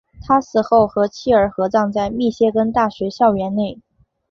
他死后和妻儿合葬在密歇根大学校园内。